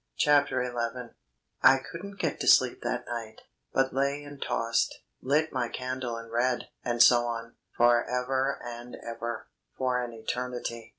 CHAPTER ELEVEN I couldn't get to sleep that night, but lay and tossed, lit my candle and read, and so on, for ever and ever for an eternity.